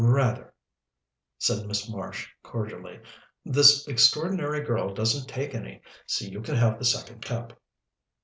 "Rather," said Miss Marsh cordially. "This extraordinary girl doesn't take any, so you can have the second cup."